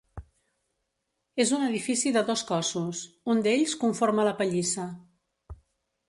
És un edifici de dos cossos, un d'ells conforma la pallissa.